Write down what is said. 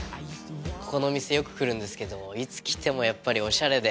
ここのお店よく来るんですけどいつ来てもやっぱりオシャレで。